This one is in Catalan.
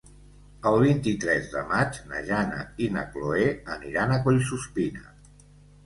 El vint-i-tres de maig na Jana i na Chloé aniran a Collsuspina.